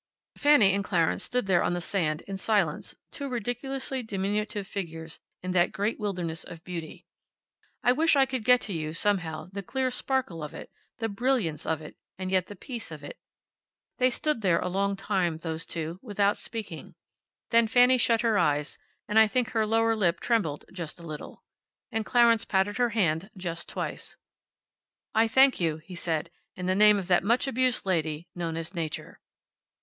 Fanny and Clarence stood there on the sand, in silence, two ridiculously diminutive figures in that great wilderness of beauty. I wish I could get to you, somehow, the clear sparkle of it, the brilliance of it, and yet the peace of it. They stood there a long while, those two, without speaking. Then Fanny shut her eyes, and I think her lower lip trembled just a little. And Clarence patted her hand just twice. "I thank you," he said, "in the name of that much abused lady known as Nature."